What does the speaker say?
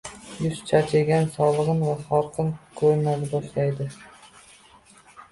Yuz charchagan, so‘lg‘in va horg‘in ko‘rina boshlaydi